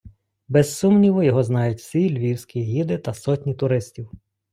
Без сумніву, його знають всі львівські гіди та сотні туристів.